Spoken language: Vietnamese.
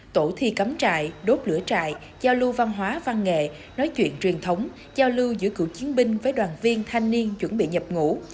tổ thi cắm trại đốt lửa trại giao lưu văn hóa văn nghệ nói chuyện truyền thống giao lưu giữa cựu chiến binh với đoàn viên thanh niên chuẩn bị nhập ngũ